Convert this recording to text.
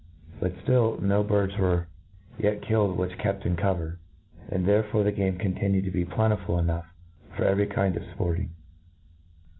But ftill no birds were yet killed which kept in cover ; and therefore the game continued to be plentiful enough iot every kind of fporting.